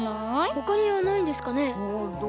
ほかにはないんですかね？